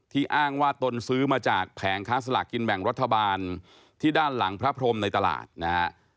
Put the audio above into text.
อ้างว่าตนซื้อมาจากแผงค้าสลากกินแบ่งรัฐบาลที่ด้านหลังพระพรมในตลาดนะฮะ